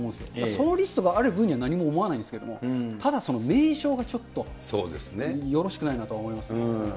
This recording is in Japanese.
そのリストがある分には、何も思わないんですけど、ただその名称がちょっとよろしくないなと思いますね。